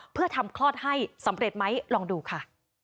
เพื่อทำคลอดให้สำเร็จไหมลองดูค่ะ